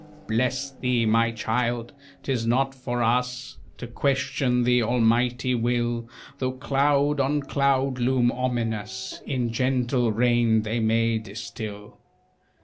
"Bless thee, my child! 'Tis not for us To question the Almighty will, Though cloud on cloud loom ominous, In gentle rain they may distil."